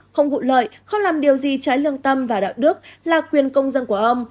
không vụ lợi không làm điều gì trái lương tâm và đạo đức là quyền công dân của ông